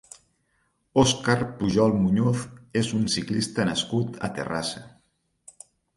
Óscar Pujol Muñoz és un ciclista nascut a Terrassa.